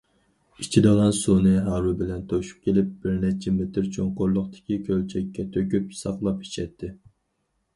ئىچىدىغان سۇنى ھارۋا بىلەن توشۇپ كېلىپ، بىر نەچچە مېتىر چوڭقۇرلۇقتىكى كۆلچەككە تۆكۈپ ساقلاپ ئىچەتتى.